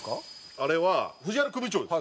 あれは藤原組長です。